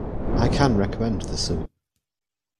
I can recommend the soup.